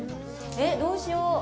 えっ、どうしよう。